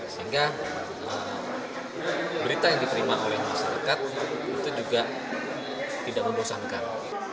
sehingga berita yang diterima oleh masyarakat itu juga tidak membosankan